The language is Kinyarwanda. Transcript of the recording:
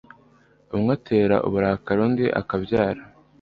umwe atera uburakari, undi akabyara